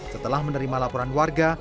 setelah menerima laporan warga